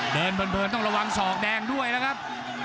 เดินเพลินต้องระวังศอกแดงด้วยนะครับ